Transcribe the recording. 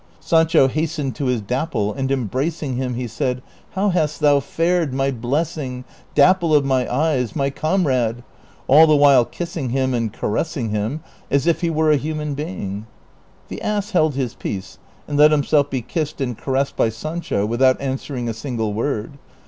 Sancho hastened to his Dapple, and embracing him he said, " How hast thou fared, my blessing. Dapple of my eyes, my comrade ?" all the while kissing him and caressing him as if he were a human being. The ass held his peace, and let himself be kissed and caressed by Sancho without answering a single word.